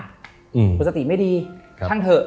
คนสติไม่ดีช่างเถอะ